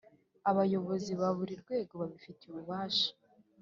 Abayobozi ba buri rwego babifitiye ububasha